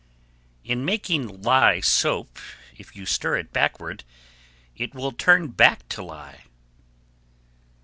In making lye soap, if you stir it backward it will turn back to lye.